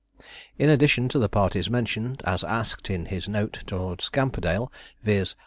In addition to the parties mentioned as asked in his note to Lord Scamperdale, viz.